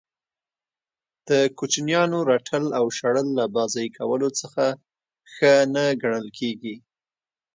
د کوچنیانو رټل او شړل له بازئ کولو څخه ښه نه ګڼل کیږي.